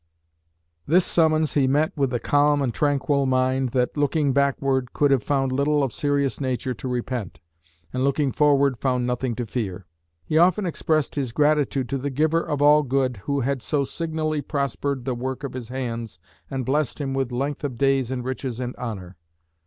This summons he met with the calm and tranquil mind, that, looking backward, could have found little of serious nature to repent, and looking forward, found nothing to fear. "He often expressed his gratitude to the Giver of All Good who had so signally prospered the work of his hands and blessed him with length of days and riches and honour."